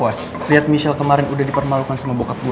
lo gak puas liat michelle kemarin udah dipermalukan sama bokap gue